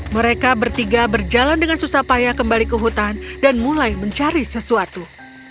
mereka bertiga berjalan dengan susah payah kembali ke hutan dan mulai mencari sesuatu